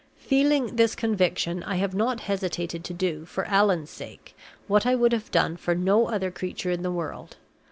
"Feeling this conviction, I have not hesitated to do, for Allan's sake, what I would have done for no other creature in the world.